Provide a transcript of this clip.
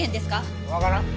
わからん。